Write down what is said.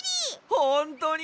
ほんとに？